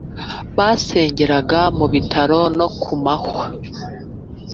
basengeraga mu bitare no ku mahwa